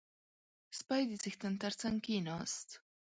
• سپی د څښتن تر څنګ کښېناست.